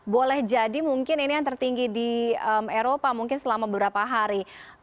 boleh jadi mungkin ini yang tertinggi di eropa mungkin selama beberapa hari